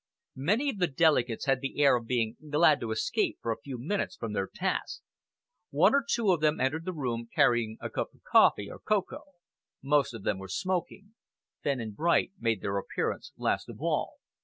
Many of the delegates had the air of being glad to escape for a few minutes from their tasks. One or two of them entered the room, carrying a cup of coffee or cocoa. Most of them were smoking. Fenn and Bright made their appearance last of all.